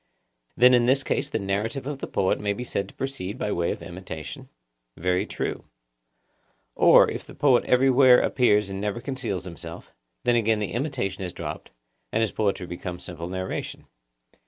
Then in this case the narrative of the poet may be said to proceed by way of imitation? Very true. Or, if the poet everywhere appears and never conceals himself, then again the imitation is dropped, and his poetry becomes simple narration.